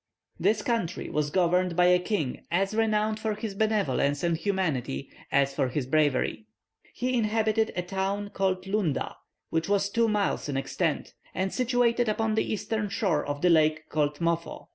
This country was governed by a king as renowned for his benevolence and humanity as for his bravery. He inhabited a town called Lunda, which was two miles in extent, and situated upon the eastern shore of the lake called Mofo.